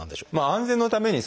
安全のために。